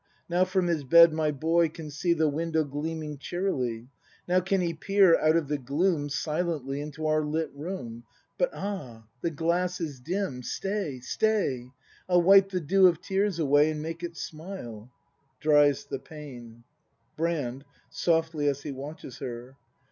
Now from his bed my boy can see The window gleaming cheerily; Now can he peer out of the gloom Silently into our lit room — But, ah! the glass is dim; stay, stay — I'll wipe the dew of tears away And make it smile [Dries the pane. Brand. [Softly as he watches her.